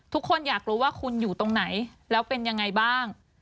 ทุกคนอยากรู้ว่าคุณอยู่ตรงไหนแล้วเป็นยังไงบ้าง